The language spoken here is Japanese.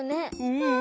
うん。